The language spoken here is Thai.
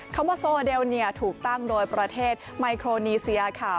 คำว่าโซเดลถูกตั้งโดยประเทศไมโครนีเซียค่ะ